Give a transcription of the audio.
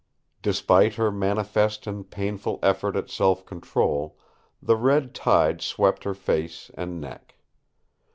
Despite her manifest and painful effort at self control, the red tide swept her face and neck.